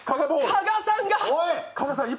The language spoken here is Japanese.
加賀さんが。